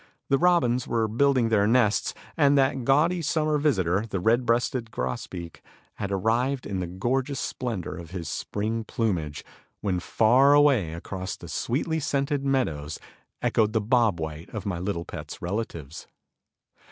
The robins were building their nests, and that gaudy summer visitor, the red breasted grosbeak, had arrived in the gorgeous splendor of his spring plumage, when far away across the sweetly scented meadows echoed the bob white of my little pet's relatives.